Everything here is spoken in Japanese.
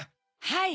はい！